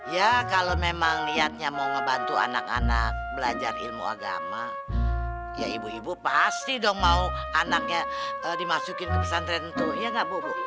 ya kalau memang niatnya mau ngebantu anak anak belajar ilmu agama ya ibu ibu pasti dong mau anaknya dimasukin ke pesantren tuh ya nggak bu